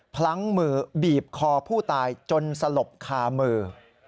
พลั้งมือบีบคอผู้ตายจนสลบคามือ